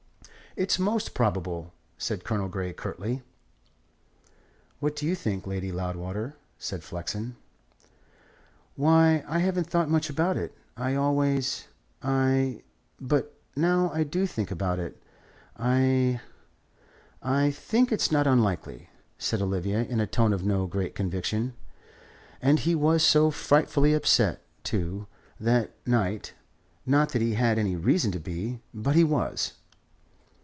"It's most probable," said Colonel Grey curtly. "What do you think, Lady Loudwater?" said Flexen. "Why, I haven't thought much about it. I always I but now I do think about it, I I think it's not unlikely," said Olivia, in a tone of no great conviction. "And he was so frightfully upset, too, that night not that he had any reason to be; but he was."